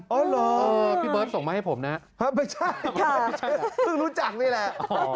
อ๋อเหรอพี่เบิ๊บส่งมาให้ผมนะครับไม่ใช่ค่ะพึ่งรู้จักนี่แหละอ๋อ